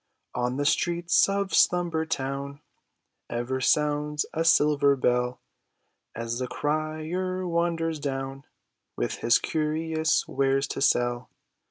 " On the streets of Slumber town Ever sounds a silver bell. As the crier wanders down With his curious wares to sell.